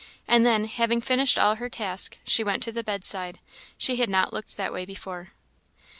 And then, having finished all her task, she went to the bedside; she had not looked that way before.